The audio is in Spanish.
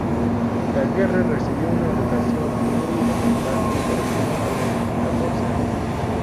Daguerre recibió una educación muy elemental que terminó a los catorce años.